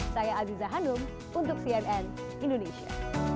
saya aziza hanum untuk cnn indonesia